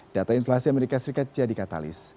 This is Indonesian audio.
data inflasi amerika serikat jadi katalis